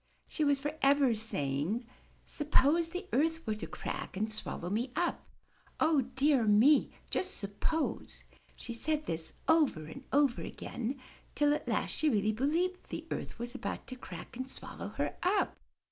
She was forever say ing, ''Suppose the earth were to crack and swallow me up! O dear me ! Just suppose !'' She said this over and over again till at last she really believed the earth was about to crack ajid swallow her up.